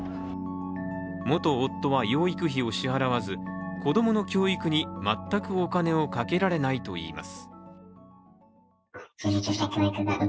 元夫は養育費を支払わず子供の教育に全くお金をかけられないといいます。